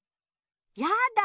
やだ！